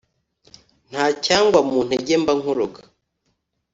Nta cyagwa mu ntege mba nkuroga